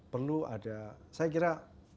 perlu ada saya kira